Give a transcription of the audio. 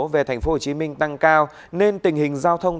về thành phố hồ chí minh tăng cao nên tình hình giao thông